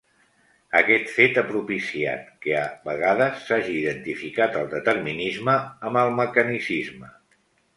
Aquest fet ha propiciat que, a vegades, s'hagi identificat el determinisme amb el mecanicisme.